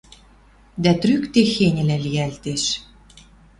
Дӓ трӱк техеньӹлӓ лиӓлтеш!..